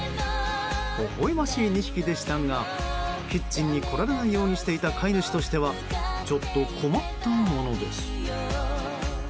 ほほ笑ましい２匹でしたがキッチンに来られないようにしていた飼い主としてはちょっと困ったものです。